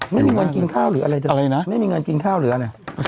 ไม่มีเงินกินข้าวหรืออะไรไม่มีเงินกินข้าวหรืออะไร